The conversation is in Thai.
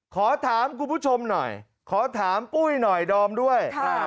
ขอถามคุณผู้ชมหน่อยขอถามปุ้ยหน่อยดอมด้วย